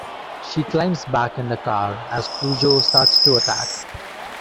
She climbs back in the car as Cujo starts to attack.